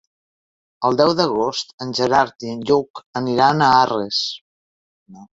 El deu d'agost en Gerard i en Lluc aniran a Arres.